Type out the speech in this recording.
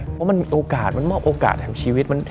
เพราะมันมีโอกาสมันมอบโอกาสแห่งชีวิต